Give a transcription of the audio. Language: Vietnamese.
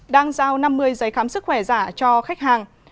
đang giao năm mươi giấy khám sức khỏe giả cho khách hàng